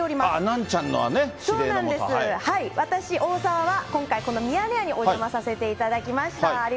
ナンチャンのね、私、大沢は今回、ミヤネ屋にお邪魔させていただきました。